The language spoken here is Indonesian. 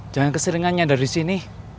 jangan keseringannya dari sini